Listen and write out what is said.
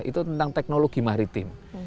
itu tentang teknologi maritim